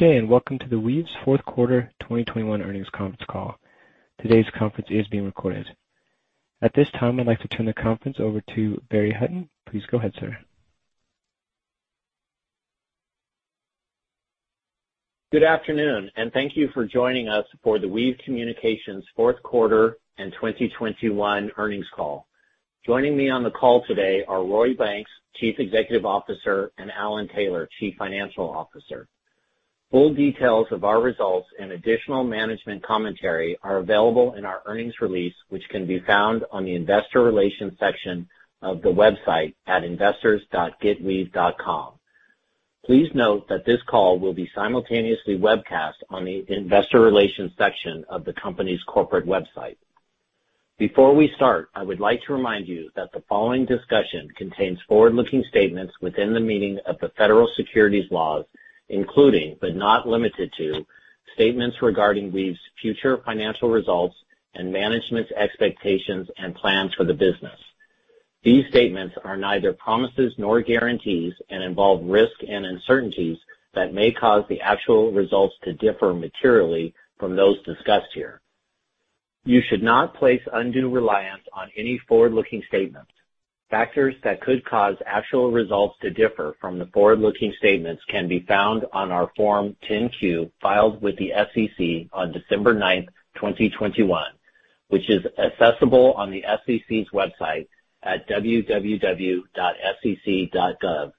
Good day, and welcome to the Weave's fourth quarter 2021 earnings conference call. Today's conference is being recorded. At this time, I'd like to turn the conference over to Brett White. Please go ahead, sir. Good afternoon, and thank you for joining us for the Weave Communications fourth quarter and 2021 earnings call. Joining me on the call today are Roy Banks, Chief Executive Officer, and Alan Taylor, Chief Financial Officer. Full details of our results and additional management commentary are available in our earnings release, which can be found on the investor relations section of the website at investors.getweave.com. Please note that this call will be simultaneously webcast on the investor relations section of the company's corporate website. Before we start, I would like to remind you that the following discussion contains forward-looking statements within the meaning of the federal securities laws, including, but not limited to, statements regarding Weave's future financial results and management's expectations and plans for the business. These statements are neither promises nor guarantees and involve risk and uncertainties that may cause the actual results to differ materially from those discussed here. You should not place undue reliance on any forward-looking statements. Factors that could cause actual results to differ from the forward-looking statements can be found on our Form 10-Q filed with the SEC on December 9, 2021, which is accessible on the SEC's website at www.sec.gov,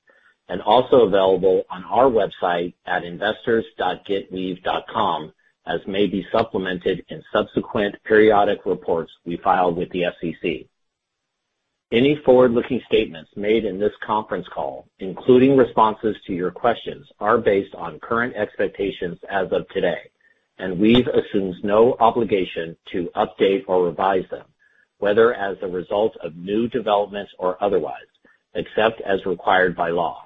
and also available on our website at investors.getweave.com, as may be supplemented in subsequent periodic reports we filed with the SEC. Any forward-looking statements made in this conference call, including responses to your questions, are based on current expectations as of today, and Weave assumes no obligation to update or revise them, whether as a result of new developments or otherwise, except as required by law.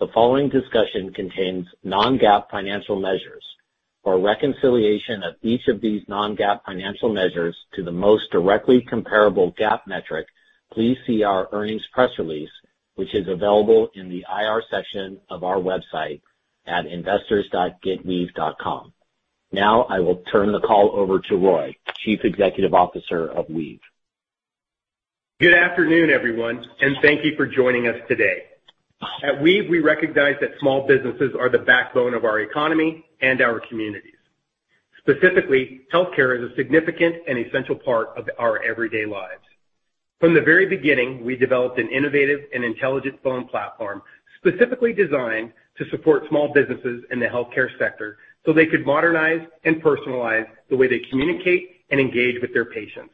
The following discussion contains non-GAAP financial measures. For reconciliation of each of these non-GAAP financial measures to the most directly comparable GAAP metric, please see our earnings press release, which is available in the IR section of our website at investors.getweave.com. Now I will turn the call over to Roy, Chief Executive Officer of Weave. Good afternoon, everyone, and thank you for joining us today. At Weave, we recognize that small businesses are the backbone of our economy and our communities. Specifically, healthcare is a significant and essential part of our everyday lives. From the very beginning, we developed an innovative and intelligent phone platform specifically designed to support small businesses in the healthcare sector, so they could modernize and personalize the way they communicate and engage with their patients.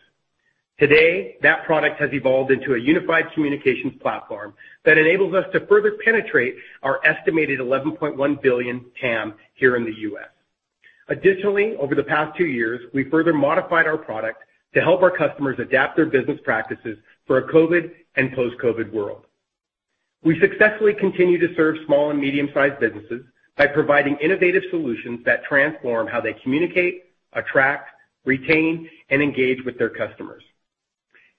Today, that product has evolved into a unified communications platform that enables us to further penetrate our estimated $11.1 billion TAM here in the U.S. Additionally, over the past 2 years, we further modified our product to help our customers adapt their business practices for a COVID and post-COVID world. We successfully continue to serve small and medium-sized businesses by providing innovative solutions that transform how they communicate, attract, retain, and engage with their customers.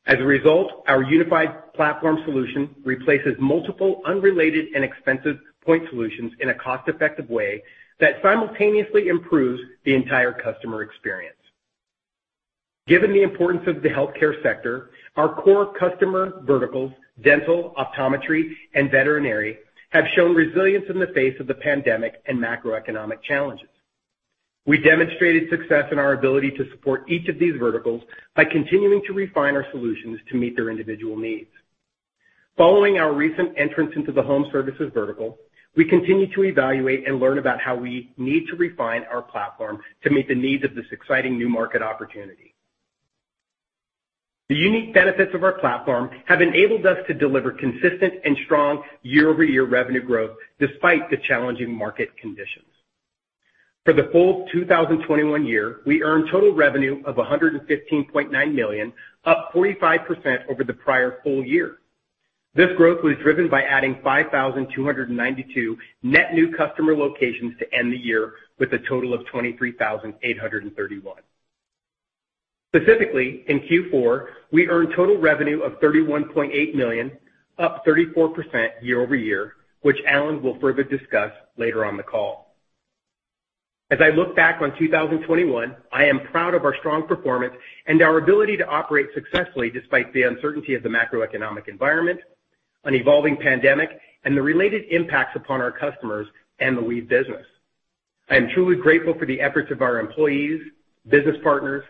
As a result, our unified platform solution replaces multiple unrelated and expensive point solutions in a cost-effective way that simultaneously improves the entire customer experience. Given the importance of the healthcare sector, our core customer verticals, dental, optometry, and veterinary, have shown resilience in the face of the pandemic and macroeconomic challenges. We demonstrated success in our ability to support each of these verticals by continuing to refine our solutions to meet their individual needs. Following our recent entrance into the home services vertical, we continue to evaluate and learn about how we need to refine our platform to meet the needs of this exciting new market opportunity. The unique benefits of our platform have enabled us to deliver consistent and strong year-over-year revenue growth despite the challenging market conditions. For the full 2021 year, we earned total revenue of $115.9 million, up 45% over the prior full year. This growth was driven by adding 5,292 net new customer locations to end the year with a total of 23,831. Specifically, in Q4, we earned total revenue of $31.8 million, up 34% year-over-year, which Alan will further discuss later on the call. As I look back on 2021, I am proud of our strong performance and our ability to operate successfully despite the uncertainty of the macroeconomic environment, an evolving pandemic, and the related impacts upon our customers and the Weave business. I am truly grateful for the efforts of our employees, business partners,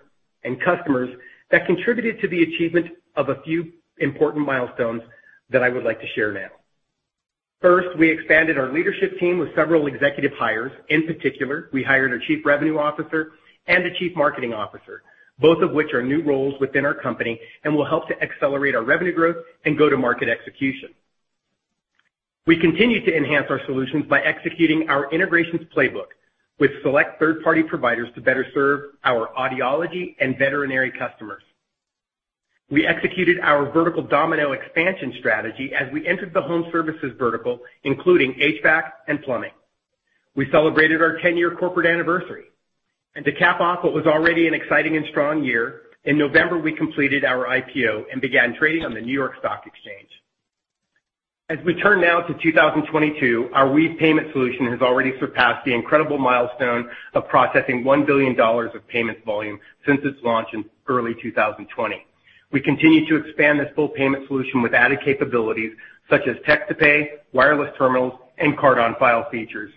and customers that contributed to the achievement of a few important milestones that I would like to share now. First, we expanded our leadership team with several executive hires. In particular, we hired a Chief Revenue Officer and a Chief Marketing Officer, both of which are new roles within our company and will help to accelerate our revenue growth and go-to-market execution. We continued to enhance our solutions by executing our integrations playbook with select third-party providers to better serve our audiology and veterinary customers. We executed our vertical domino expansion strategy as we entered the home services vertical, including HVAC and plumbing. We celebrated our ten-year corporate anniversary. To cap off what was already an exciting and strong year, in November, we completed our IPO and began trading on the New York Stock Exchange. As we turn now to 2022, our Weave payment solution has already surpassed the incredible milestone of processing $1 billion of payments volume since its launch in early 2020. We continue to expand this full payment solution with added capabilities such as Text to Pay, wireless terminals, and Card on File features.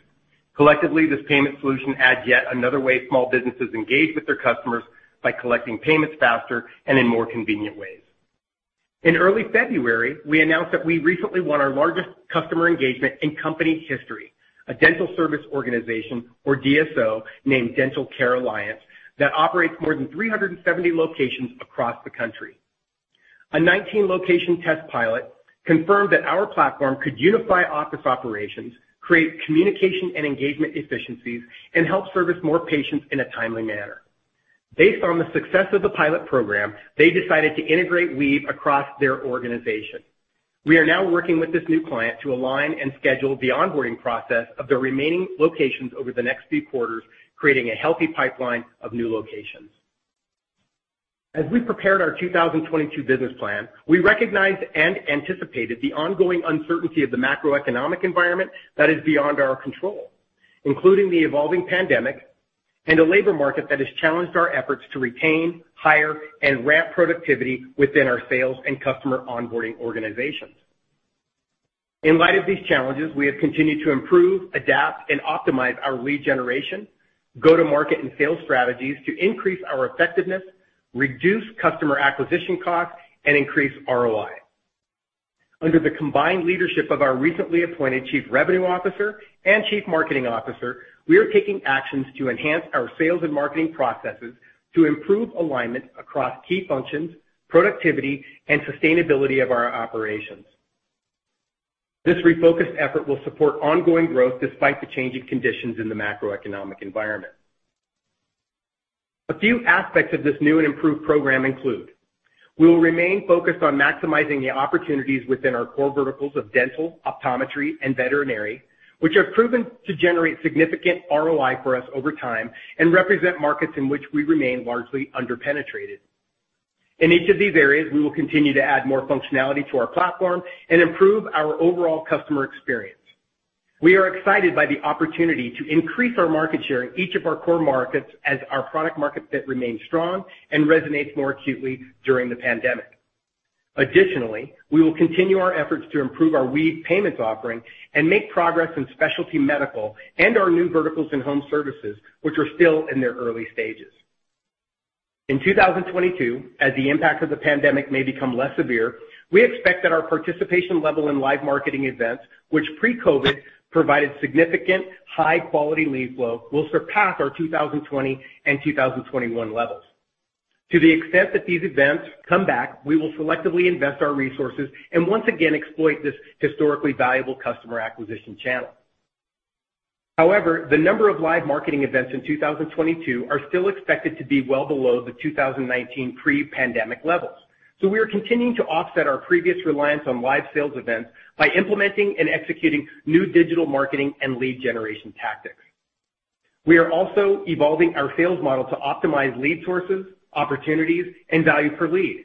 Collectively, this payment solution adds yet another way small businesses engage with their customers by collecting payments faster and in more convenient ways. In early February, we announced that we recently won our largest customer engagement in company history, a dental service organization, or DSO, named Dental Care Alliance, that operates more than 370 locations across the country. A 19-location test pilot confirmed that our platform could unify office operations, create communication and engagement efficiencies, and help service more patients in a timely manner. Based on the success of the pilot program, they decided to integrate Weave across their organization. We are now working with this new client to align and schedule the onboarding process of the remaining locations over the next few quarters, creating a healthy pipeline of new locations. As we prepared our 2022 business plan, we recognized and anticipated the ongoing uncertainty of the macroeconomic environment that is beyond our control, including the evolving pandemic and a labor market that has challenged our efforts to retain, hire, and ramp productivity within our sales and customer onboarding organizations. In light of these challenges, we have continued to improve, adapt, and optimize our lead generation, go-to-market and sales strategies to increase our effectiveness, reduce customer acquisition costs, and increase ROI. Under the combined leadership of our recently appointed Chief Revenue Officer and Chief Marketing Officer, we are taking actions to enhance our sales and marketing processes to improve alignment across key functions, productivity, and sustainability of our operations. This refocused effort will support ongoing growth despite the changing conditions in the macroeconomic environment. A few aspects of this new and improved program include. We will remain focused on maximizing the opportunities within our core verticals of dental, optometry, and veterinary, which are proven to generate significant ROI for us over time and represent markets in which we remain largely under-penetrated. In each of these areas, we will continue to add more functionality to our platform and improve our overall customer experience. We are excited by the opportunity to increase our market share in each of our core markets as our product market fit remains strong and resonates more acutely during the pandemic. Additionally, we will continue our efforts to improve our Weave Payments offering and make progress in specialty medical and our new verticals in home services, which are still in their early stages. In 2022, as the impact of the pandemic may become less severe, we expect that our participation level in live marketing events, which pre-COVID provided significant high-quality lead flow, will surpass our 2020 and 2021 levels. To the extent that these events come back, we will selectively invest our resources and once again exploit this historically valuable customer acquisition channel. However, the number of live marketing events in 2022 are still expected to be well below the 2019 pre-pandemic levels. We are continuing to offset our previous reliance on live sales events by implementing and executing new digital marketing and lead generation tactics. We are also evolving our sales model to optimize lead sources, opportunities, and value per lead.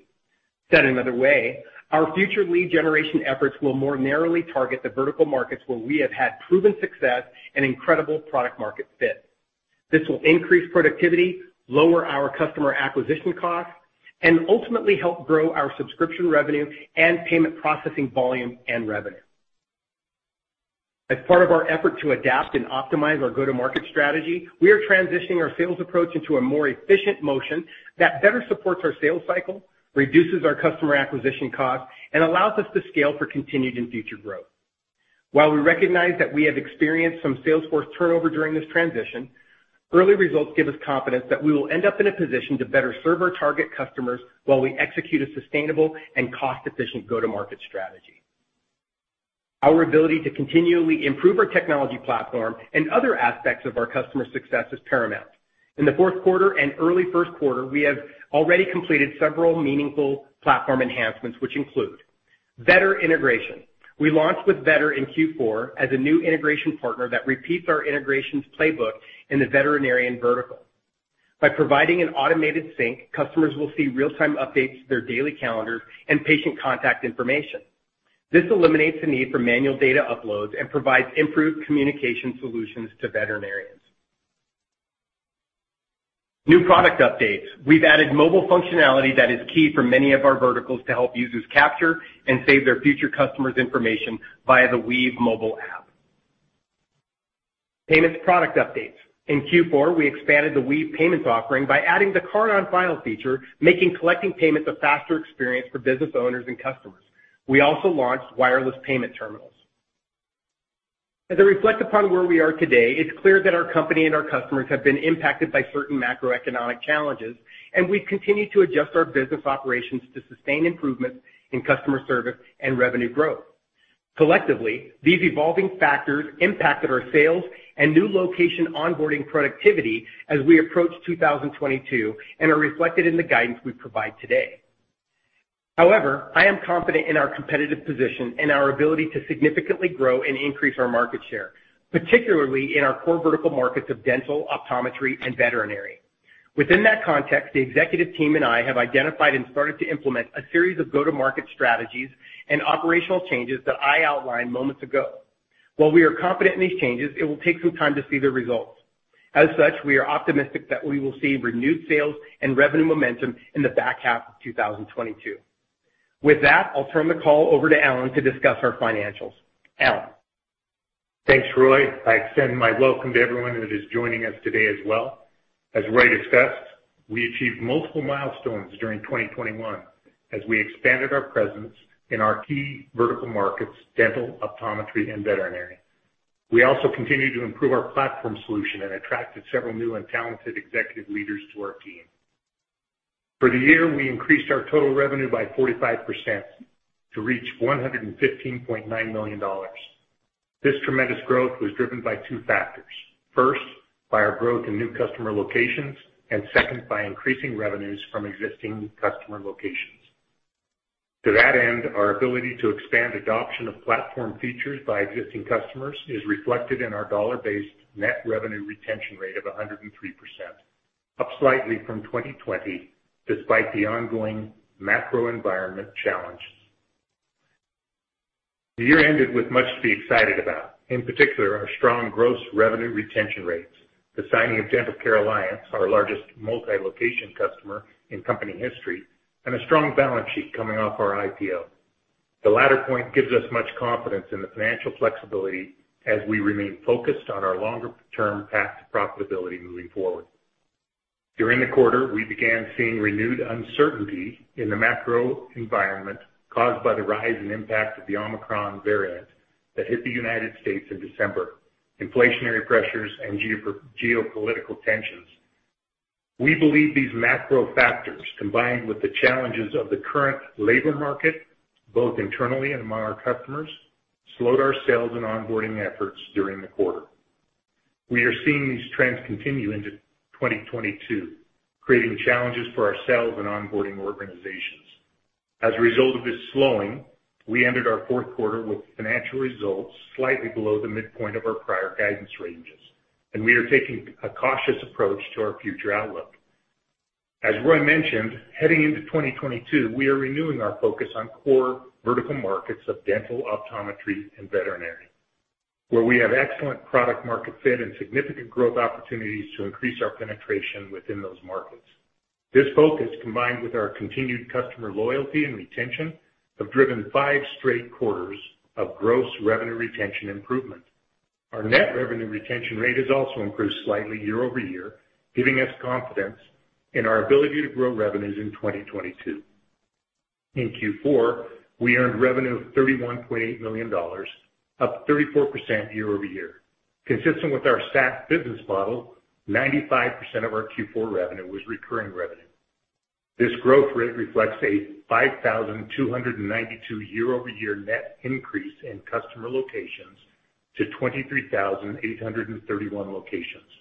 Said another way, our future lead generation efforts will more narrowly target the vertical markets where we have had proven success and incredible product market fit. This will increase productivity, lower our customer acquisition costs, and ultimately help grow our subscription revenue and payment processing volume and revenue. As part of our effort to adapt and optimize our go-to-market strategy, we are transitioning our sales approach into a more efficient motion that better supports our sales cycle, reduces our customer acquisition costs, and allows us to scale for continued and future growth. While we recognize that we have experienced some sales force turnover during this transition, early results give us confidence that we will end up in a position to better serve our target customers while we execute a sustainable and cost-efficient go-to-market strategy. Our ability to continually improve our technology platform and other aspects of our customer success is paramount. In the fourth quarter and early first quarter, we have already completed several meaningful platform enhancements, which include better integration. We launched with Vetter in Q4 as a new integration partner that repeats our integrations playbook in the veterinarian vertical. By providing an automated sync, customers will see real-time updates to their daily calendars and patient contact information. This eliminates the need for manual data uploads and provides improved communication solutions to veterinarians. New product updates. We've added mobile functionality that is key for many of our verticals to help users capture and save their future customers' information via the Weave Mobile App. Payments product updates. In Q4, we expanded the Weave Payments offering by adding the Card on File feature, making collecting payments a faster experience for business owners and customers. We also launched wireless payment terminals. As I reflect upon where we are today, it's clear that our company and our customers have been impacted by certain macroeconomic challenges, and we've continued to adjust our business operations to sustain improvements in customer service and revenue growth. Collectively, these evolving factors impacted our sales and new location onboarding productivity as we approach 2022 and are reflected in the guidance we provide today. However, I am confident in our competitive position and our ability to significantly grow and increase our market share, particularly in our core vertical markets of dental, optometry, and veterinary. Within that context, the executive team and I have identified and started to implement a series of go-to-market strategies and operational changes that I outlined moments ago. While we are confident in these changes, it will take some time to see the results. As such, we are optimistic that we will see renewed sales and revenue momentum in the back half of 2022. With that, I'll turn the call over to Alan to discuss our financials. Alan? Thanks, Roy. I extend my welcome to everyone that is joining us today as well. As Roy discussed, we achieved multiple milestones during 2021 as we expanded our presence in our key vertical markets, dental, optometry, and veterinary. We also continued to improve our platform solution and attracted several new and talented executive leaders to our team. For the year, we increased our total revenue by 45% to reach $115.9 million. This tremendous growth was driven by two factors. First, by our growth in new customer locations, and second, by increasing revenues from existing customer locations. To that end, our ability to expand adoption of platform features by existing customers is reflected in our dollar-based net revenue retention rate of 103%, up slightly from 2020 despite the ongoing macro environment challenges. The year ended with much to be excited about, in particular, our strong gross revenue retention rates, the signing of Dental Care Alliance, our largest multi-location customer in company history, and a strong balance sheet coming off our IPO. The latter point gives us much confidence in the financial flexibility as we remain focused on our longer-term path to profitability moving forward. During the quarter, we began seeing renewed uncertainty in the macro environment caused by the rise and impact of the Omicron variant that hit the United States in December, inflationary pressures, and geopolitical tensions. We believe these macro factors, combined with the challenges of the current labor market, both internally and among our customers, slowed our sales and onboarding efforts during the quarter. We are seeing these trends continue into 2022, creating challenges for our sales and onboarding organizations. As a result of this slowing, we ended our fourth quarter with financial results slightly below the midpoint of our prior guidance ranges, and we are taking a cautious approach to our future outlook. As Roy mentioned, heading into 2022, we are renewing our focus on core vertical markets of dental, optometry, and veterinary, where we have excellent product market fit and significant growth opportunities to increase our penetration within those markets. This focus, combined with our continued customer loyalty and retention, have driven five straight quarters of gross revenue retention improvement. Our net revenue retention rate has also improved slightly year-over-year, giving us confidence in our ability to grow revenues in 2022. In Q4, we earned revenue of $31.8 million, up 34% year-over-year. Consistent with our SaaS business model, 95% of our Q4 revenue was recurring revenue. This growth rate reflects a 5,292 year-over-year net increase in customer locations to 23,831 locations,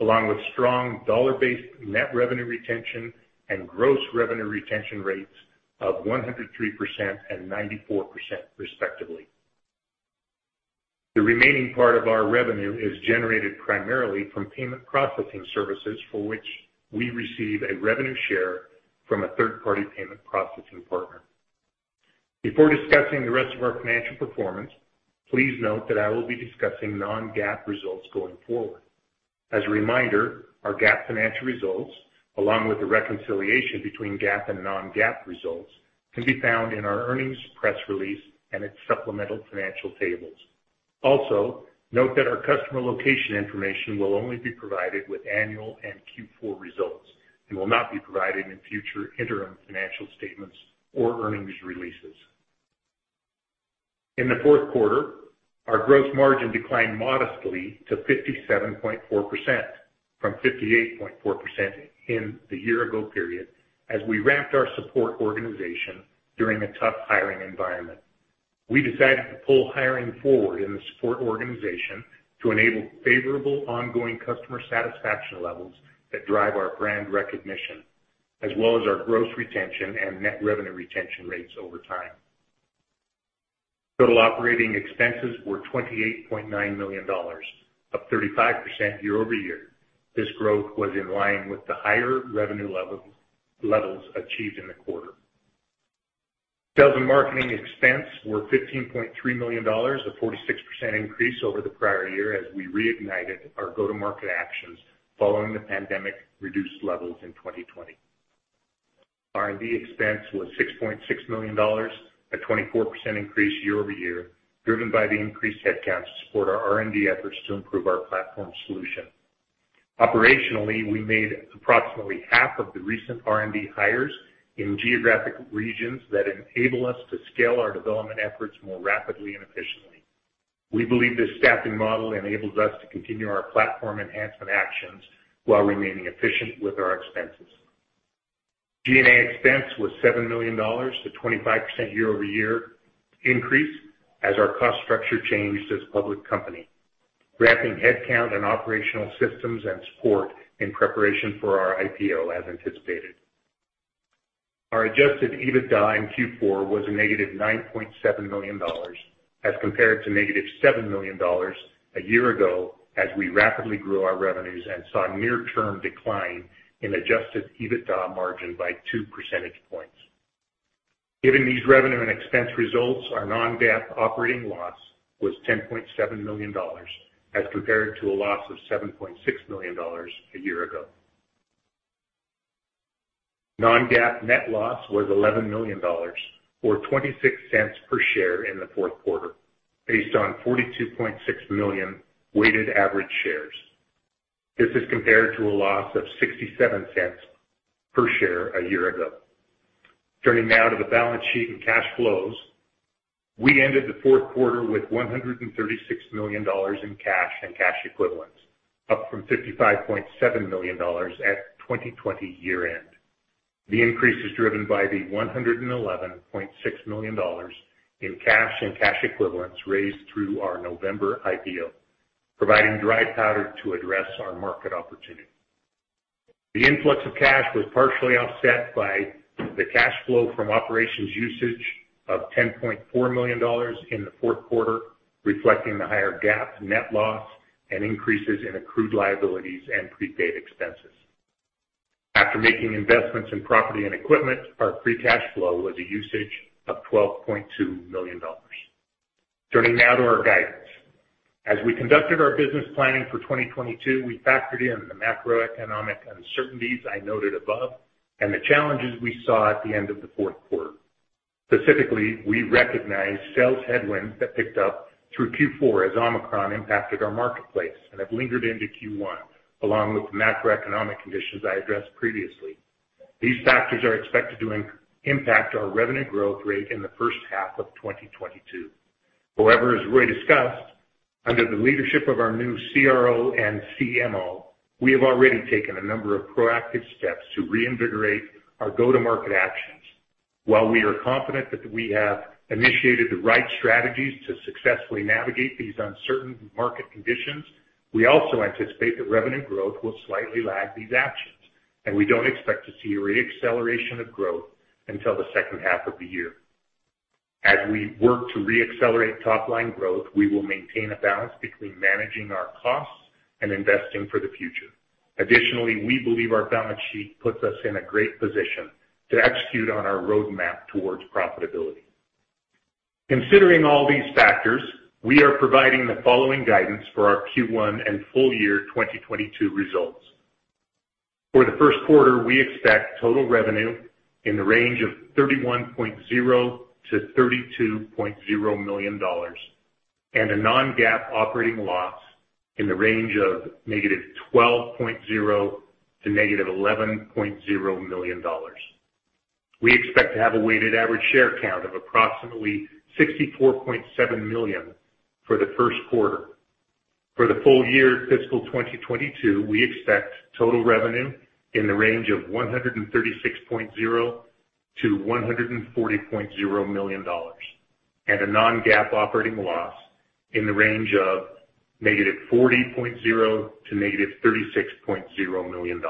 along with strong dollar-based net revenue retention and gross revenue retention rates of 103% and 94%, respectively. The remaining part of our revenue is generated primarily from payment processing services, for which we receive a revenue share from a third-party payment processing partner. Before discussing the rest of our financial performance, please note that I will be discussing non-GAAP results going forward. As a reminder, our GAAP financial results, along with the reconciliation between GAAP and non-GAAP results, can be found in our earnings press release and its supplemental financial tables. Also, note that our customer location information will only be provided with annual and Q4 results and will not be provided in future interim financial statements or earnings releases. In the fourth quarter, our gross margin declined modestly to 57.4% from 58.4% in the year-ago period as we ramped our support organization during a tough hiring environment. We decided to pull hiring forward in the support organization to enable favorable ongoing customer satisfaction levels that drive our brand recognition, as well as our gross retention and net revenue retention rates over time. Total operating expenses were $28.9 million, up 35% year-over-year. This growth was in line with the higher revenue level, levels achieved in the quarter. Sales and marketing expense were $15.3 million, a 46% increase over the prior year as we reignited our go-to-market actions following the pandemic reduced levels in 2020. R&D expense was $6.6 million, a 24% increase year-over-year, driven by the increased headcount to support our R&D efforts to improve our platform solution. Operationally, we made approximately half of the recent R&D hires in geographic regions that enable us to scale our development efforts more rapidly and efficiently. We believe this staffing model enables us to continue our platform enhancement actions while remaining efficient with our expenses. G&A expense was $7 million, a 25% year-over-year increase as our cost structure changed as a public company, ramping headcount on operational systems and support in preparation for our IPO as anticipated. Our adjusted EBITDA in Q4 was -$9.7 million as compared to -$7 million a year ago as we rapidly grew our revenues and saw a near-term decline in adjusted EBITDA margin by 2 percentage points. Given these revenue and expense results, our non-GAAP operating loss was $10.7 million as compared to a loss of $7.6 million a year ago. Non-GAAP net loss was $11 million or $0.26 per share in the fourth quarter based on 42.6 million weighted average shares. This is compared to a loss of $0.67 per share a year ago. Turning now to the balance sheet and cash flows. We ended the fourth quarter with $136 million in cash and cash equivalents, up from $55.7 million at 2020 year-end. The increase is driven by the $111.6 million in cash and cash equivalents raised through our November IPO, providing dry powder to address our market opportunity. The influx of cash was partially offset by the cash flow from operations usage of $10.4 million in the fourth quarter, reflecting the higher GAAP net loss and increases in accrued liabilities and prepaid expenses. After making investments in property and equipment, our free cash flow was a usage of $12.2 million. Turning now to our guidance. As we conducted our business planning for 2022, we factored in the macroeconomic uncertainties I noted above and the challenges we saw at the end of the fourth quarter. Specifically, we recognized sales headwinds that picked up through Q4 as Omicron impacted our marketplace and have lingered into Q1, along with the macroeconomic conditions I addressed previously. These factors are expected to impact our revenue growth rate in the first half of 2022. However, as Roy discussed, under the leadership of our new CRO and CMO, we have already taken a number of proactive steps to reinvigorate our go-to-market actions. While we are confident that we have initiated the right strategies to successfully navigate these uncertain market conditions, we also anticipate that revenue growth will slightly lag these actions, and we don't expect to see a re-acceleration of growth until the second half of the year. As we work to re-accelerate top-line growth, we will maintain a balance between managing our costs and investing for the future. Additionally, we believe our balance sheet puts us in a great position to execute on our roadmap towards profitability. Considering all these factors, we are providing the following guidance for our Q1 and full year 2022 results. For the first quarter, we expect total revenue in the range of $31.0 million-$32.0 million and a non-GAAP operating loss in the range of -$12.0 million to -$11.0 million. We expect to have a weighted average share count of approximately 64.7 million for the first quarter. For the full year fiscal 2022, we expect total revenue in the range of $136.0 million-$140.0 million and a non-GAAP operating loss in the range of -$40.0 million to -$36.0 million.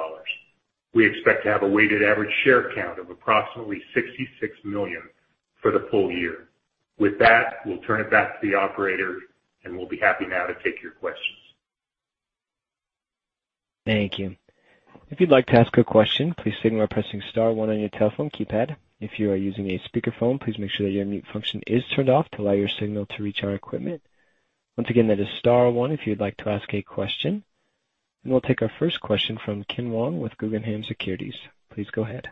We expect to have a weighted average share count of approximately 66 million for the full year. With that, we'll turn it back to the operator, and we'll be happy now to take your questions. Thank you. If you'd like to ask a question, please signal by pressing star one on your telephone keypad. If you are using a speakerphone, please make sure that your mute function is turned off to allow your signal to reach our equipment. Once again, that is star one if you'd like to ask a question. We'll take our first question from Ken Wong with Guggenheim Securities. Please go ahead.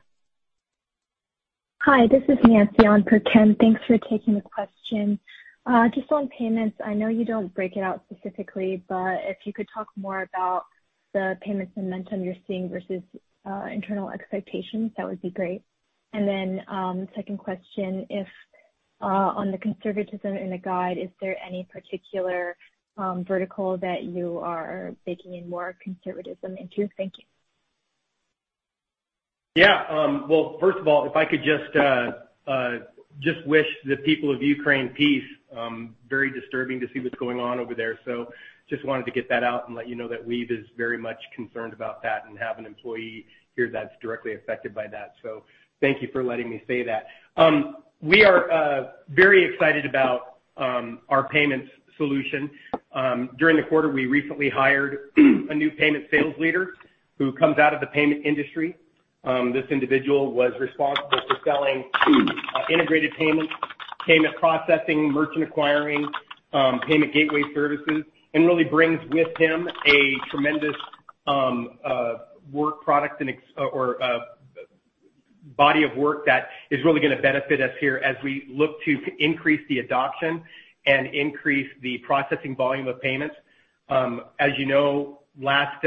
Hi, this is Nancy on for Ken. Thanks for taking the question. Just on payments, I know you don't break it out specifically, but if you could talk more about the payments momentum you're seeing versus internal expectations, that would be great. Second question, if on the conservatism in the guide, is there any particular vertical that you are baking in more conservatism into? Thank you. Yeah. Well, first of all, if I could just wish the people of Ukraine peace. Very disturbing to see what's going on over there. Just wanted to get that out and let you know that Weave is very much concerned about that and have an employee here that's directly affected by that. Thank you for letting me say that. We are very excited about our payments solution. During the quarter, we recently hired a new payment sales leader who comes out of the payment industry. This individual was responsible for selling integrated payments, payment processing, merchant acquiring, payment gateway services, and really brings with him a tremendous work product and body of work that is really gonna benefit us here as we look to increase the adoption and increase the processing volume of payments. As you know, last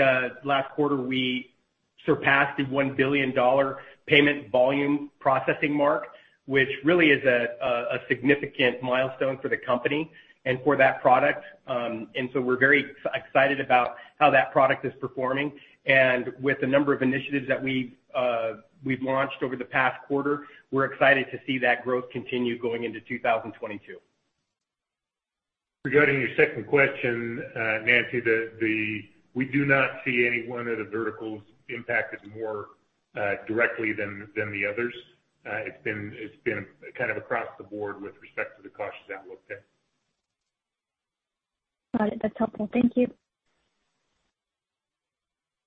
quarter, we surpassed the $1 billion payment volume processing mark, which really is a significant milestone for the company and for that product. We're very excited about how that product is performing. With the number of initiatives that we've launched over the past quarter, we're excited to see that growth continue going into 2022. Regarding your second question, Nancy, we do not see any one of the verticals impacted more directly than the others. It's been kind of across the board with respect to the cautious outlook there. Got it. That's helpful. Thank you.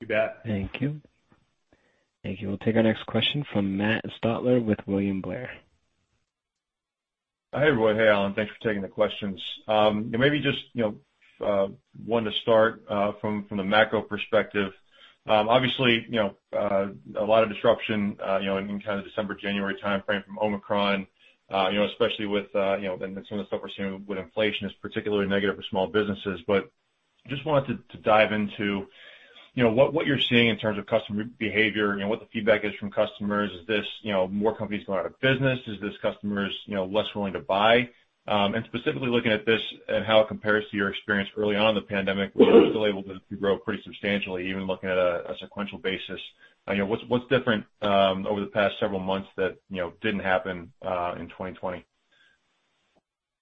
You bet. Thank you. Thank you. We'll take our next question from Matt Stotler with William Blair. Hi, everybody. Hey, Alan, thanks for taking the questions. Maybe just, you know, one to start, from the macro perspective, obviously, you know, a lot of disruption, you know, in kind of December, January timeframe from Omicron, you know, especially with, you know, some of the stuff we're seeing with inflation is particularly negative for small businesses. Just wanted to dive into, you know, what you're seeing in terms of customer behavior and what the feedback is from customers. Is this, you know, more companies going out of business? Is this customers, you know, less willing to buy? Specifically looking at this and how it compares to your experience early on in the pandemic, where you were still able to grow pretty substantially, even looking at a sequential basis. You know, what's different over the past several months that, you know, didn't happen in 2020?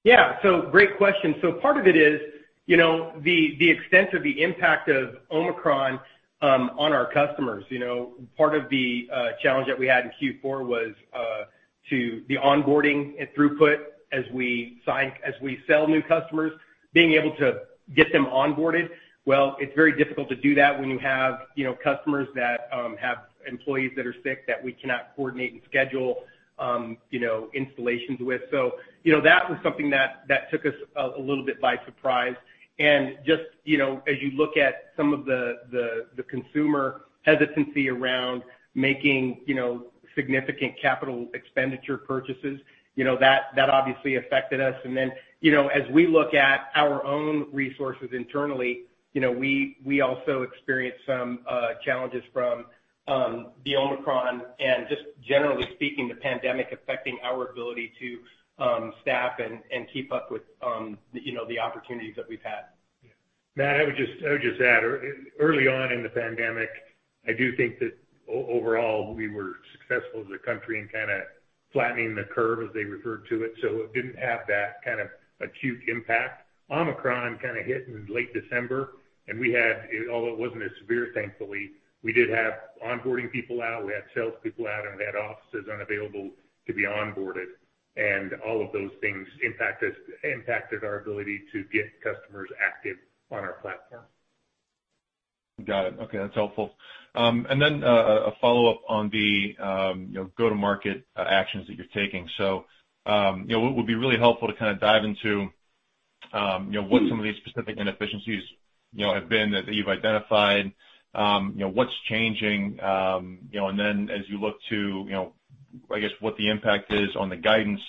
Yeah. Great question. Part of it is, you know, the extent of the impact of Omicron on our customers. You know, part of the challenge that we had in Q4 was due to the onboarding and throughput as we sign, as we sell new customers, being able to get them onboarded. Well, it's very difficult to do that when you have, you know, customers that have employees that are sick that we cannot coordinate and schedule, you know, installations with. You know, that was something that took us a little bit by surprise. Just, you know, as you look at some of the consumer hesitancy around making, you know, significant capital expenditure purchases, you know, that obviously affected us. You know, as we look at our own resources internally, you know, we also experienced some challenges from the Omicron and just generally speaking, the pandemic affecting our ability to staff and keep up with you know, the opportunities that we've had. Matt, I would just add, early on in the pandemic, I do think that overall, we were successful as a country in kinda flattening the curve as they referred to it, so it didn't have that kind of acute impact. Omicron kind of hit in late December, and we had, although it wasn't as severe, thankfully, we did have onboarding people out, we had salespeople out, and we had offices unavailable to be onboarded. All of those things impacted our ability to get customers active on our platform. Got it. Okay, that's helpful. A follow-up on the, you know, go-to-market actions that you're taking. You know, what would be really helpful to kind of dive into, you know, what some of these specific inefficiencies, you know, have been that you've identified, you know, what's changing, and then as you look to, you know, I guess, what the impact is on the guidance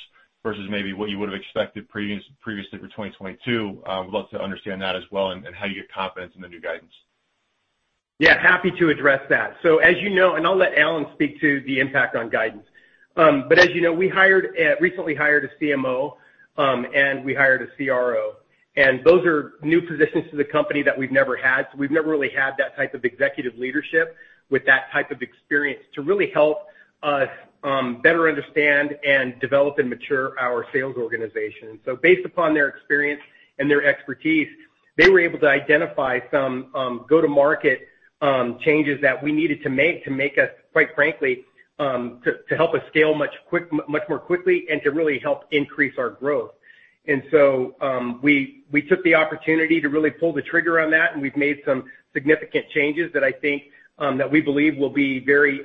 versus maybe what you would have expected previously for 2022. Would love to understand that as well and how you get confidence in the new guidance? Yeah, happy to address that. As you know, and I'll let Alan speak to the impact on guidance. As you know, we recently hired a CMO, and we hired a CRO. Those are new positions to the company that we've never had. We've never really had that type of executive leadership with that type of experience to really help us better understand and develop and mature our sales organization. Based upon their experience and their expertise, they were able to identify some go-to-market changes that we needed to make, to make us, quite frankly, to help us scale much more quickly and to really help increase our growth. We took the opportunity to really pull the trigger on that, and we've made some significant changes that I think that we believe will be very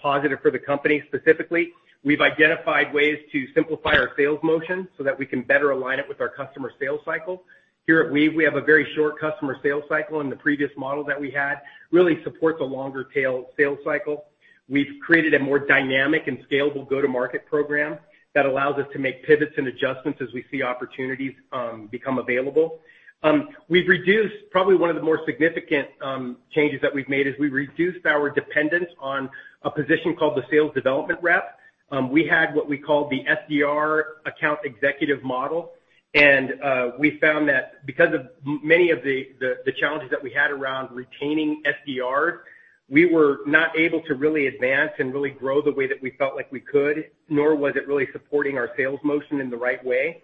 positive for the company. Specifically, we've identified ways to simplify our sales motion so that we can better align it with our customer sales cycle. Here at Weave, we have a very short customer sales cycle, and the previous model that we had really supports a longer tail sales cycle. We've created a more dynamic and scalable go-to-market program that allows us to make pivots and adjustments as we see opportunities become available. Probably one of the more significant changes that we've made is we reduced our dependence on a position called the sales development rep. We had what we called the SDR account executive model, and we found that because of many of the challenges that we had around retaining SDRs, we were not able to really advance and really grow the way that we felt like we could, nor was it really supporting our sales motion in the right way.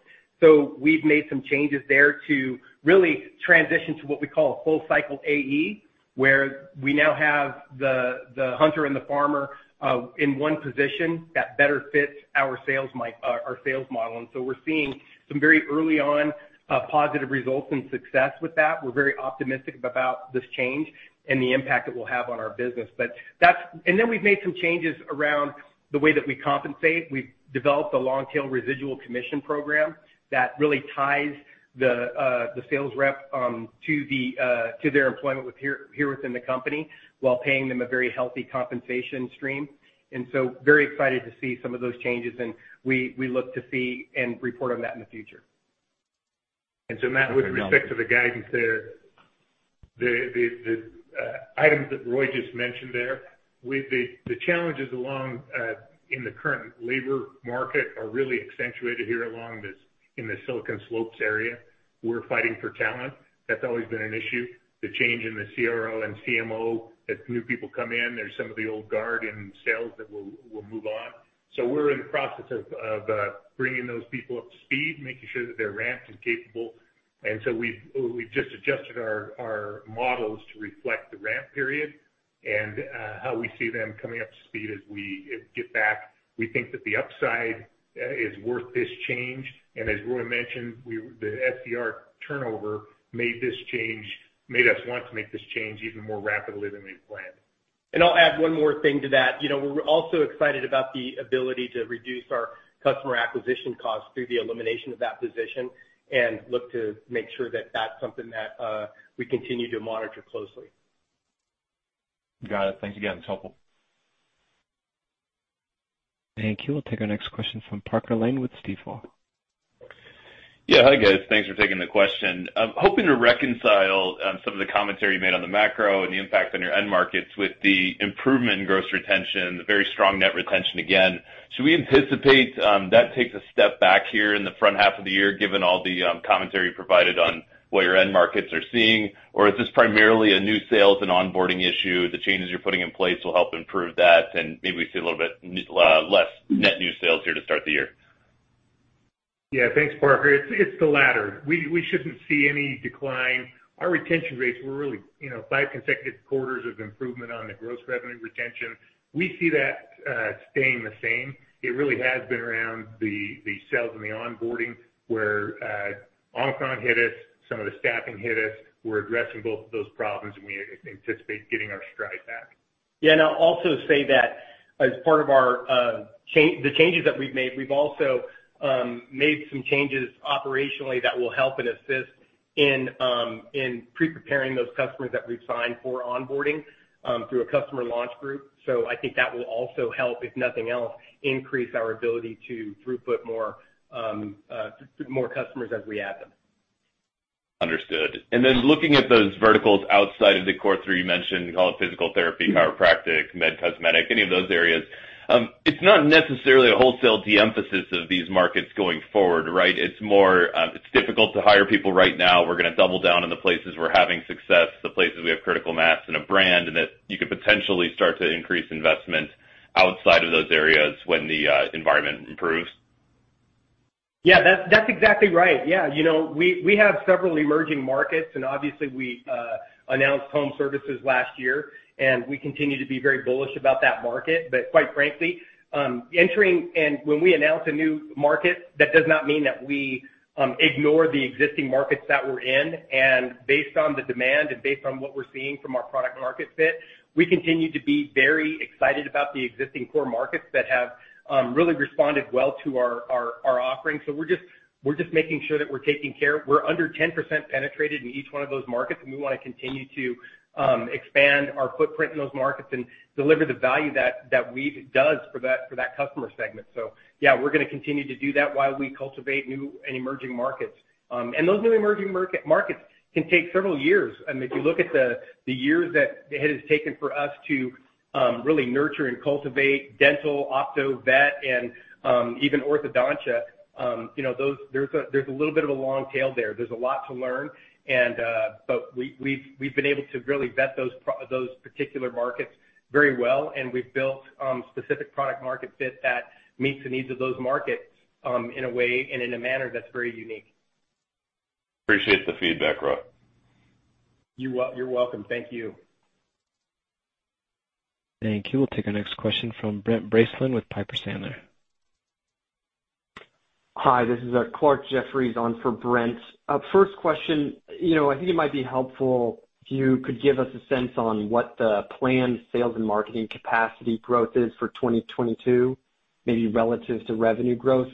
We've made some changes there to really transition to what we call a full cycle AE, where we now have the hunter and the farmer in one position that better fits our sales model. We're seeing some very early on positive results and success with that. We're very optimistic about this change and the impact it will have on our business. We've made some changes around the way that we compensate. We've developed a long-tail residual commission program that really ties the sales rep to their employment with here within the company while paying them a very healthy compensation stream. Very excited to see some of those changes, and we look to see and report on that in the future. Matt, with respect to the guidance there, the items that Roy just mentioned there, with the challenges in the current labor market are really accentuated here in the Silicon Slopes area. We're fighting for talent. That's always been an issue. The change in the CRO and CMO, as new people come in, there's some of the old guard in sales that will move on. We're in the process of bringing those people up to speed, making sure that they're ramped and capable. We've just adjusted our models to reflect the ramp period and how we see them coming up to speed as we get back. We think that the upside is worth this change. As Roy mentioned, the SDR turnover made us want to make this change even more rapidly than we had planned. I'll add one more thing to that. You know, we're also excited about the ability to reduce our customer acquisition costs through the elimination of that position and look to make sure that that's something that, we continue to monitor closely. Got it. Thanks again. It's helpful. Thank you. We'll take our next question from Parker Lane with Stifel. Yeah. Hi, guys. Thanks for taking the question. I'm hoping to reconcile some of the commentary you made on the macro and the impact on your end markets with the improvement in gross retention, the very strong net retention again. Should we anticipate that takes a step back here in the front half of the year given all the commentary you provided on what your end markets are seeing? Or is this primarily a new sales and onboarding issue, the changes you're putting in place will help improve that, and maybe we see a little bit less net new sales here to start the year? Yeah. Thanks, Parker. It's the latter. We shouldn't see any decline. Our retention rates were really, you know, five consecutive quarters of improvement on the gross revenue retention. We see that staying the same. It really has been around the sales and the onboarding, where Omicron hit us, some of the staffing hit us. We're addressing both of those problems, and we anticipate getting our stride back. Yeah. I'll also say that as part of our, the changes that we've made, we've also made some changes operationally that will help and assist in preparing those customers that we've signed for onboarding, through a customer launch group. I think that will also help, if nothing else, increase our ability to throughput more customers as we add them. Understood. Looking at those verticals outside of the core three you mentioned, call it physical therapy, chiropractic, med cosmetic, any of those areas, it's not necessarily a wholesale de-emphasis of these markets going forward, right? It's more, it's difficult to hire people right now. We're gonna double down on the places we're having success, the places we have critical mass and a brand, and that you could potentially start to increase investment outside of those areas when the environment improves. Yeah, that's exactly right. Yeah. You know, we have several emerging markets, and obviously we announced home services last year, and we continue to be very bullish about that market. Quite frankly, when we announce a new market, that does not mean that we ignore the existing markets that we're in. Based on the demand and based on what we're seeing from our product market fit, we continue to be very excited about the existing core markets that have really responded well to our offerings. We're just making sure that we're taking care. We're under 10% penetrated in each one of those markets, and we wanna continue to expand our footprint in those markets and deliver the value that Weave does for that customer segment. Yeah, we're gonna continue to do that while we cultivate new and emerging markets. Those new emerging markets can take several years. I mean, if you look at the years that it has taken for us to really nurture and cultivate dental, opto, vet, and even orthodontia, you know, those. There's a little bit of a long tail there. There's a lot to learn and, but we've been able to really vet those particular markets very well, and we've built specific product market fit that meets the needs of those markets in a way and in a manner that's very unique. Appreciate the feedback, Roy. You're welcome. Thank you. Thank you. We'll take our next question from Brent Bracelin with Piper Sandler. Hi, this is Clarke Jeffries on for Brent. First question. You know, I think it might be helpful if you could give us a sense on what the planned sales and marketing capacity growth is for 2022, maybe relative to revenue growth.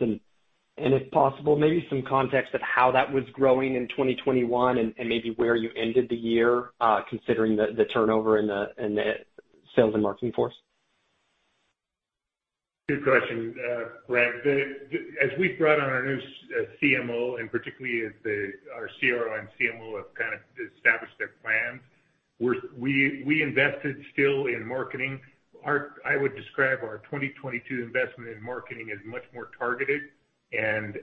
If possible, maybe some context of how that was growing in 2021 and maybe where you ended the year, considering the turnover in the sales and marketing force. Good question, Brad. As we've brought on our new CMO, and particularly as our CRO and CMO have kind of established their plans, we invested still in marketing. I would describe our 2022 investment in marketing as much more targeted and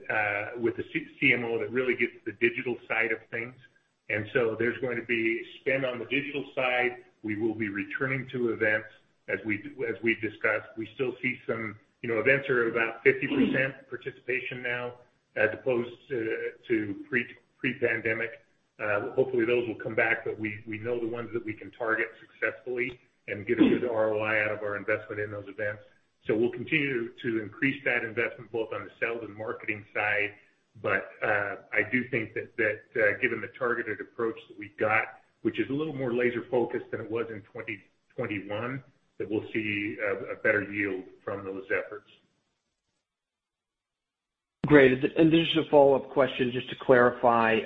with a CMO that really gets the digital side of things. There's going to be spend on the digital side. We will be returning to events as we discussed. We still see some, you know, events are about 50% participation now as opposed to pre-pandemic. Hopefully, those will come back, but we know the ones that we can target successfully and get a good ROI out of our investment in those events. We'll continue to increase that investment both on the sales and marketing side. I do think that given the targeted approach that we've got, which is a little more laser-focused than it was in 2021, that we'll see a better yield from those efforts. Great. Just a follow-up question just to clarify.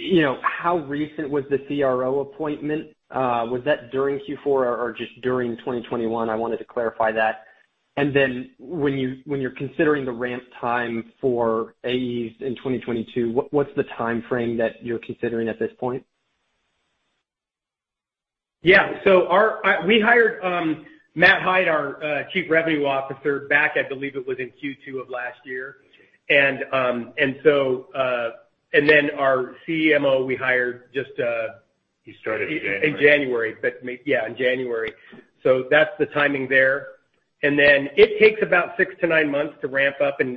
You know, how recent was the CRO appointment? Was that during Q4 or just during 2021? I wanted to clarify that. Then when you're considering the ramp time for AEs in 2022, what's the timeframe that you're considering at this point? Yeah, we hired Matt Hyde, our Chief Revenue Officer, back, I believe it was in Q2 of last year, and then our CMO, we hired just. He started in January. in January. Yeah, in January. So that's the timing there. Then it takes about 6-9 months to ramp up an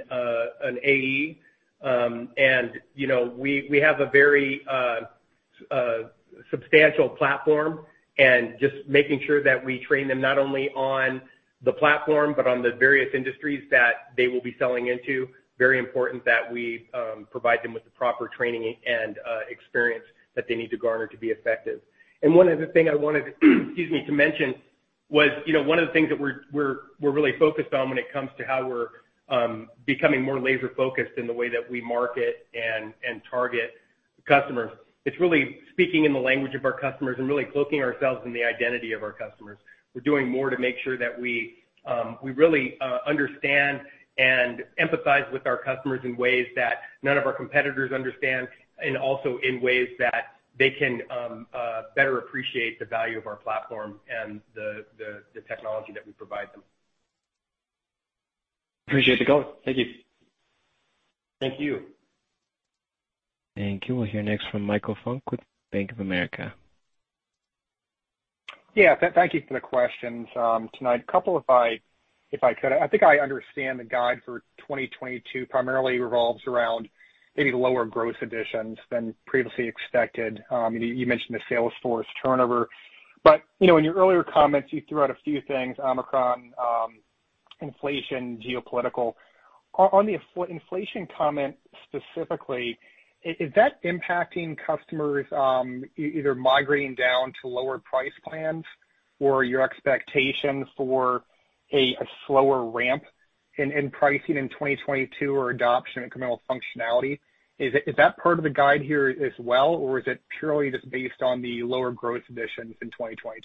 AE. And, you know, we have a very substantial platform and just making sure that we train them not only on the platform but on the various industries that they will be selling into. Very important that we provide them with the proper training and experience that they need to garner to be effective. One of the things I wanted, excuse me, to mention was, you know, one of the things that we're really focused on when it comes to how we're becoming more laser-focused in the way that we market and target customers. It's really speaking in the language of our customers and really cloaking ourselves in the identity of our customers. We're doing more to make sure that we really understand and empathize with our customers in ways that none of our competitors understand, and also in ways that they can better appreciate the value of our platform and the technology that we provide them. Appreciate the color. Thank you. Thank you. Thank you. We'll hear next from Michael Funk with Bank of America. Yeah, thank you for the questions tonight. A couple if I could. I think I understand the guide for 2022 primarily revolves around maybe lower gross additions than previously expected. You mentioned the sales force turnover, but you know, in your earlier comments, you threw out a few things, Omicron, inflation, geopolitical. On the inflation comment specifically, is that impacting customers either migrating down to lower price plans or your expectations for a slower ramp in pricing in 2022 or adoption incremental functionality? Is that part of the guide here as well, or is it purely just based on the lower gross additions in 2022?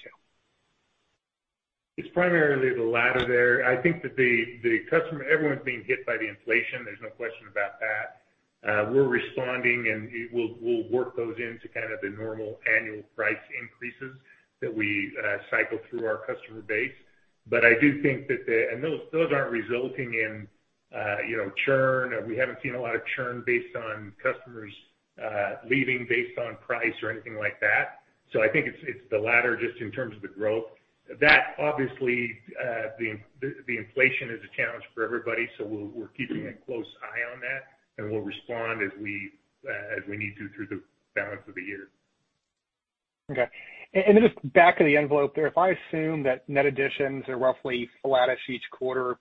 It's primarily the latter there. I think that the customer... Everyone's being hit by the inflation. There's no question about that. We're responding, and we'll work those into kind of the normal annual price increases that we cycle through our customer base. I do think that the... Those aren't resulting in, you know, churn. We haven't seen a lot of churn based on customers leaving based on price or anything like that. I think it's the latter just in terms of the growth. That obviously, the inflation is a challenge for everybody, so we're keeping a close eye on that, and we'll respond as we need to through the balance of the year. Okay. Just back of the envelope there, if I assume that net additions are roughly flattish each quarter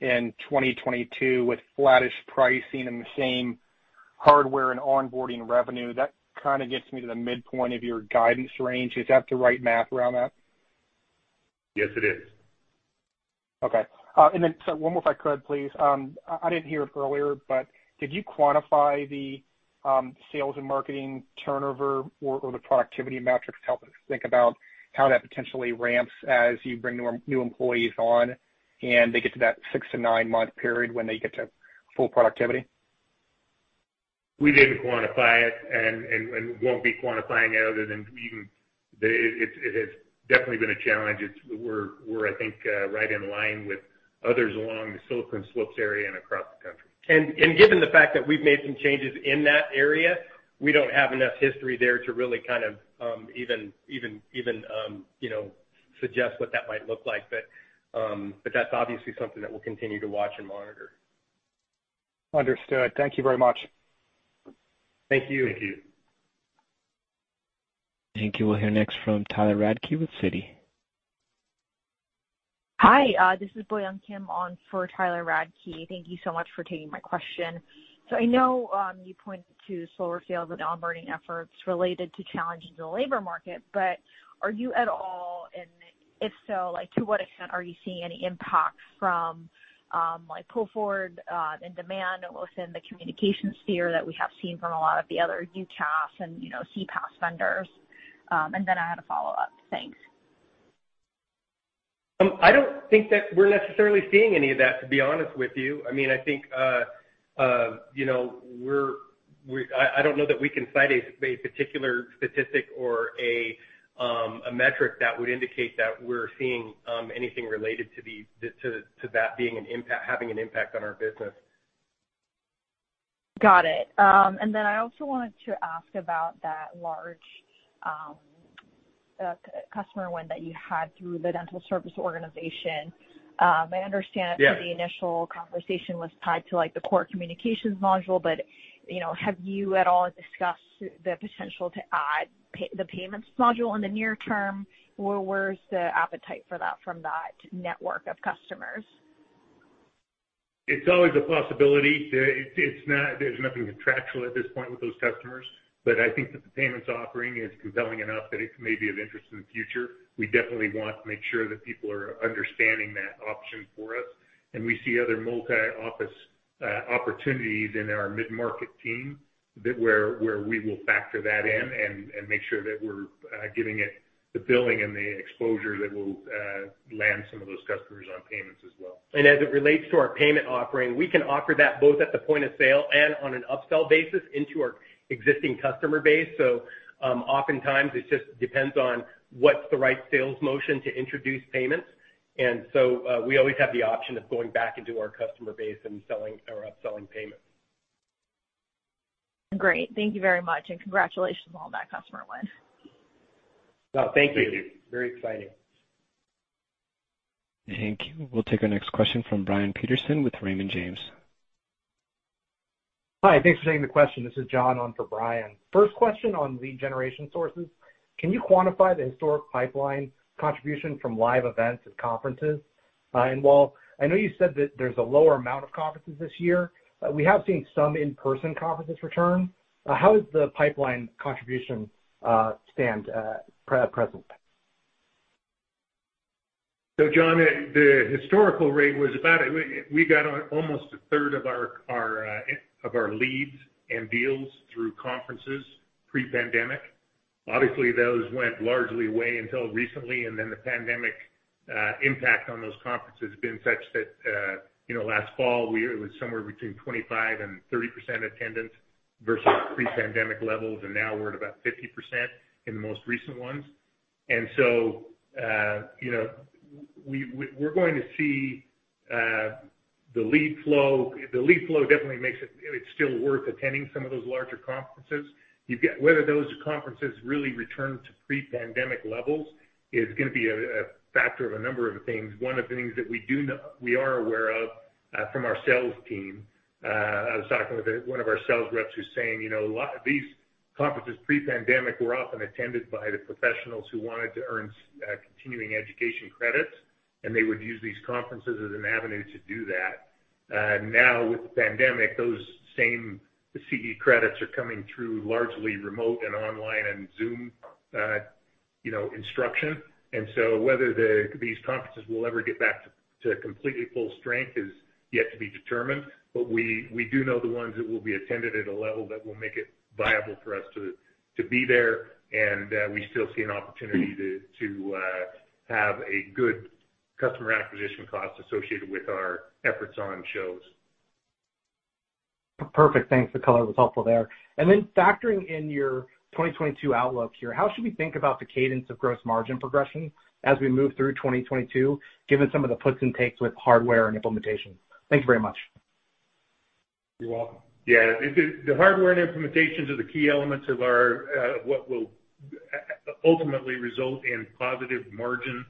in 2022 with flattish pricing and the same hardware and onboarding revenue, that kinda gets me to the midpoint of your guidance range. Is that the right math around that? Yes, it is. One more if I could, please. I didn't hear it earlier, but did you quantify the sales and marketing turnover or the productivity metrics to help us think about how that potentially ramps as you bring new employees on, and they get to that 6-9-month period when they get to full productivity? We didn't quantify it and won't be quantifying it other than we can. It has definitely been a challenge. We're, I think, right in line with others along the Silicon Slopes area and across the country. Given the fact that we've made some changes in that area, we don't have enough history there to really kind of even you know suggest what that might look like. That's obviously something that we'll continue to watch and monitor. Understood. Thank you very much. Thank you. Thank you. Thank you. We'll hear next from Tyler Radke with Citigroup. Hi, this is Boyoung Kim on for Tyler Radke. Thank you so much for taking my question. I know you pointed to slower sales and onboarding efforts related to challenges in the labor market, but are you at all, and if so, like to what extent are you seeing any impact from like pull forward in demand within the communications sphere that we have seen from a lot of the other UCaaS and you know CCaaS vendors? I had a follow-up. Thanks. I don't think that we're necessarily seeing any of that, to be honest with you. I mean, I think, you know, I don't know that we can cite a particular statistic or a metric that would indicate that we're seeing anything related to that having an impact on our business. Got it. I also wanted to ask about that large customer win that you had through the dental service organization. I understand that. Yeah. The initial conversation was tied to, like, the core communications module, but, you know, have you at all discussed the potential to add the payments module in the near term, or where's the appetite for that from that network of customers? It's always a possibility. It's not. There's nothing contractual at this point with those customers, but I think that the payments offering is compelling enough that it may be of interest in the future. We definitely want to make sure that people are understanding that option for us, and we see other multi-office opportunities in our mid-market team that where we will factor that in and make sure that we're giving it the billing and the exposure that will land some of those customers on payments as well. As it relates to our payment offering, we can offer that both at the point of sale and on an upsell basis into our existing customer base. Oftentimes, it just depends on what's the right sales motion to introduce payments. We always have the option of going back into our customer base and selling or upselling payments. Great. Thank you very much, and congratulations on that customer win. Well, thank you. Thank you. Very exciting. Thank you. We'll take our next question from Brian Peterson with Raymond James. Hi, thanks for taking the question. This is John on for Brian. First question on lead generation sources. Can you quantify the historic pipeline contribution from live events and conferences? While I know you said that there's a lower amount of conferences this year, but we have seen some in-person conferences return. How is the pipeline contribution at present? John, the historical rate was about a third of our leads and deals through conferences pre-pandemic. Obviously, those went largely away until recently, and then the pandemic impact on those conferences has been such that you know, last fall it was somewhere between 25% and 30% attendance versus pre-pandemic levels, and now we're at about 50% in the most recent ones. You know, we're going to see the lead flow. The lead flow definitely makes it's still worth attending some of those larger conferences. Whether those conferences really return to pre-pandemic levels is gonna be a factor of a number of things. One of the things that we do know, we are aware of, from our sales team, I was talking with one of our sales reps who's saying, you know, a lot of these conferences pre-pandemic were often attended by the professionals who wanted to earn continuing education credits, and they would use these conferences as an avenue to do that. Now with the pandemic, those same CE credits are coming through largely remote and online and Zoom, you know, instruction. Whether these conferences will ever get back to completely full strength is yet to be determined. We do know the ones that will be attended at a level that will make it viable for us to be there. We still see an opportunity to have a good customer acquisition cost associated with our efforts on shows. Perfect. Thanks. The color was helpful there. Factoring in your 2022 outlook here, how should we think about the cadence of gross margin progression as we move through 2022, given some of the puts and takes with hardware and implementation? Thank you very much. You're welcome. Yeah. The hardware and implementations are the key elements of our what will ultimately result in positive margin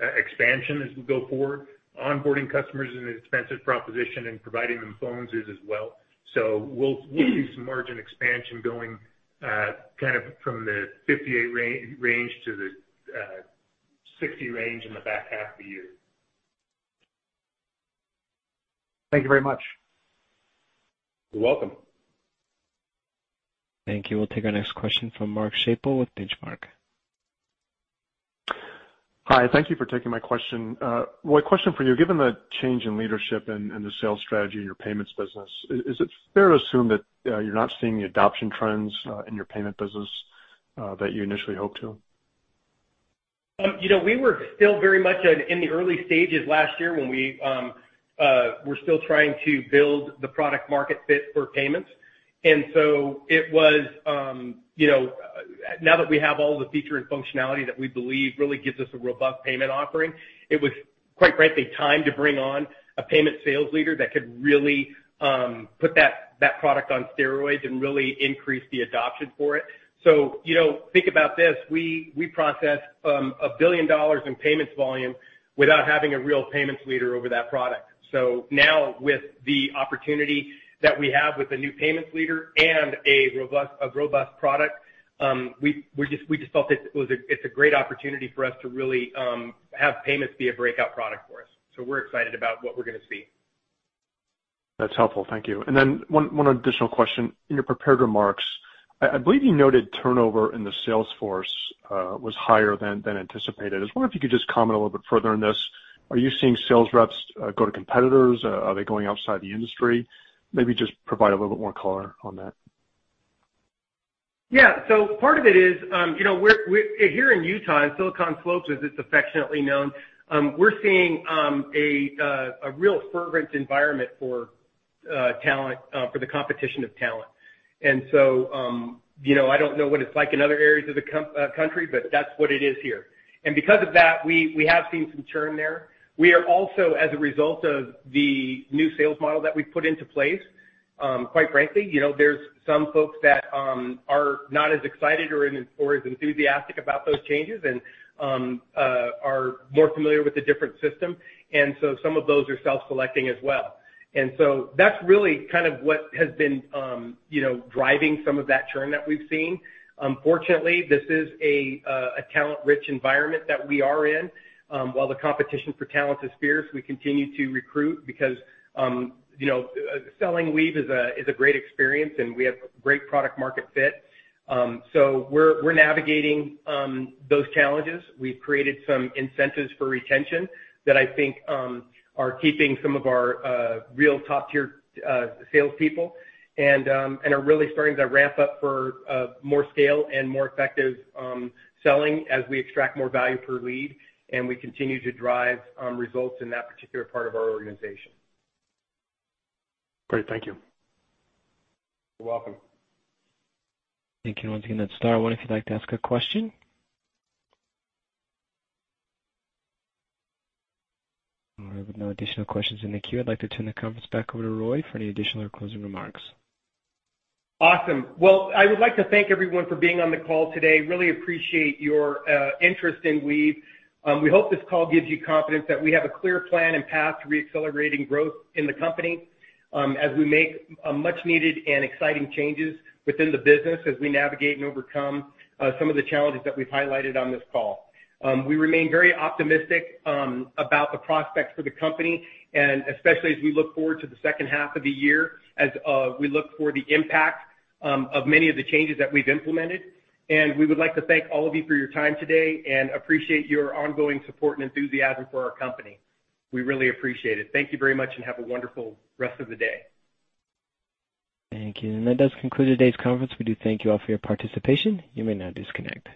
expansion as we go forward. Onboarding customers is an expensive proposition and providing them phones is as well. We'll see some margin expansion going kind of from the 58% range to the 60% range in the back half of the year. Thank you very much. You're welcome. Thank you. We'll take our next question from Mark Schappel with Benchmark. Hi. Thank you for taking my question. Roy, question for you. Given the change in leadership and the sales strategy in your payments business, is it fair to assume that you're not seeing the adoption trends in your payment business that you initially hoped to? You know, we were still very much in the early stages last year when we were still trying to build the product market fit for payments. Now that we have all the feature and functionality that we believe really gives us a robust payment offering, it was quite frankly timed to bring on a payment sales leader that could really put that product on steroids and really increase the adoption for it. You know, think about this, we processed $1 billion in payments volume without having a real payments leader over that product. Now with the opportunity that we have with a new payments leader and a robust product, we just felt it's a great opportunity for us to really have payments be a breakout product for us. We're excited about what we're gonna see. That's helpful. Thank you. One additional question. In your prepared remarks, I believe you noted turnover in the sales force was higher than anticipated. I was wondering if you could just comment a little bit further on this. Are you seeing sales reps go to competitors? Are they going outside the industry? Maybe just provide a little bit more color on that. Part of it is, you know, we're seeing a real fervent environment for talent, for the competition of talent. You know, I don't know what it's like in other areas of the country, but that's what it is here. Because of that, we have seen some churn there. We are also as a result of the new sales model that we've put into place, quite frankly, you know, there's some folks that are not as excited or as enthusiastic about those changes and are more familiar with the different system. Some of those are self-selecting as well. That's really kind of what has been, you know, driving some of that churn that we've seen. Fortunately, this is a talent-rich environment that we are in. While the competition for talent is fierce, we continue to recruit because, you know, selling Weave is a great experience, and we have great product market fit. We're navigating those challenges. We've created some incentives for retention that I think are keeping some of our real top-tier salespeople and are really starting to ramp up for more scale and more effective selling as we extract more value per lead and we continue to drive results in that particular part of our organization. Great. Thank you. You're welcome. Thank you. Once again, hit star one if you'd like to ask a question. All right. With no additional questions in the queue, I'd like to turn the conference back over to Roy for any additional or closing remarks. Awesome. Well, I would like to thank everyone for being on the call today. Really appreciate your interest in Weave. We hope this call gives you confidence that we have a clear plan and path to reaccelerating growth in the company, as we make much needed and exciting changes within the business as we navigate and overcome some of the challenges that we've highlighted on this call. We remain very optimistic about the prospects for the company and especially as we look forward to the second half of the year as we look for the impact of many of the changes that we've implemented. We would like to thank all of you for your time today and appreciate your ongoing support and enthusiasm for our company. We really appreciate it. Thank you very much and have a wonderful rest of the day. Thank you. That does conclude today's conference. We do thank you all for your participation. You may now disconnect.